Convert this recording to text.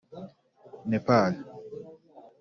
Nepal